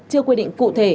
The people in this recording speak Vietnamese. chưa quy định cụ thể